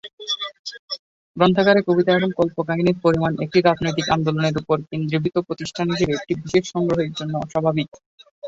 গ্রন্থাগারে কবিতা এবং কল্পকাহিনীর পরিমাণ একটি রাজনৈতিক আন্দোলনের উপর কেন্দ্রীভূত প্রতিষ্ঠান হিসেবে একটি বিশেষ সংগ্রহের জন্য অস্বাভাবিক।